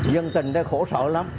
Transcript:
dân tình thấy khổ sợ lắm